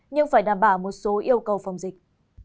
nhưng phải đảm bảo một số yêu cầu phòng dịch